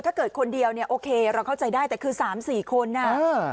ถ้าเกิดคนเดียวเนี่ยโอเคเราเข้าใจได้แต่คือ๓๔คนน่ะเออ